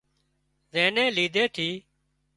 زين نين ليڌي ٿِي